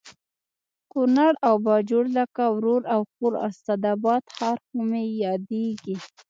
کونړ او باجوړ لکه ورور او خور او اسداباد ښار خو مې یادېږي